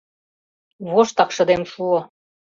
Воштак шыдем шуо.